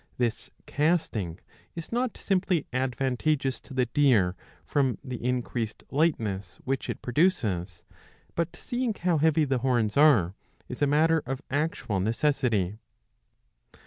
^^ This casting is not simply advantageous to the deer from the increased lightness which it produces, but, seeing how heavy the horns are, is a matter of actual necessity.